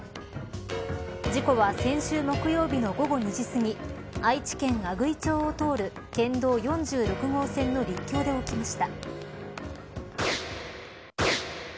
事故は、先週木曜日の午後２時すぎ愛知県阿久比町を通る県道４６号線の陸橋で起きました。